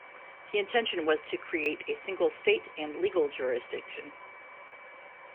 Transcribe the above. The intention was to create a single state and legal jurisdiction.